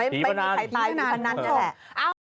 ไม่มีใครตายตรงนั้นแหละ